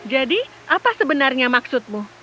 jadi apa sebenarnya maksudmu